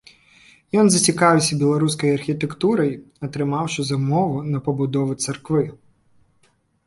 Ён зацікавіўся беларускай архітэктурай, атрымаўшы замову на пабудову царквы.